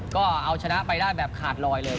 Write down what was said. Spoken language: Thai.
ก็เอาชนะไปได้แบบขาดลอยเลย